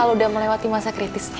al udah melewati masa kritisnya